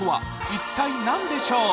一体何でしょう？